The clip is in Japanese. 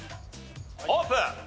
オープン！